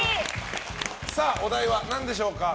お題は何でしょうか？